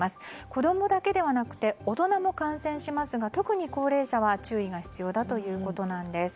子供だけではなくて大人も感染しますが特に高齢者は注意が必要だということです。